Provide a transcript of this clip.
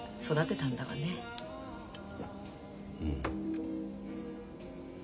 うん。